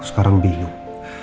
aku sekarang bingung